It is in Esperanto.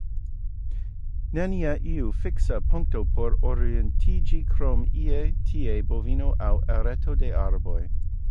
Nenie iu fiksa punkto por orientiĝi, krom ie-tie bovino aŭ areto da arboj.